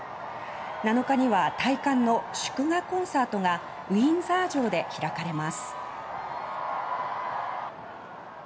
７日には戴冠の祝賀コンサートがウィンザー城で開かれます。